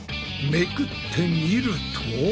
めくってみると。